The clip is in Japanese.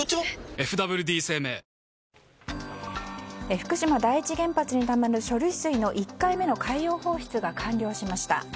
福島第一原発にたまる処理水の１回目の海洋放出が完了しました。